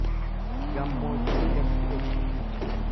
Gammoojjii gad bu'e